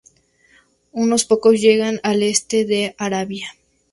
Unos pocos llegan al este de Arabia.